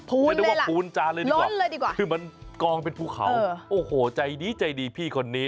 พูนเลยล่ะล้นเลยดีกว่าคือมันกองเป็นภูเขาโอ้โหใจนี้ใจดีพี่คนนี้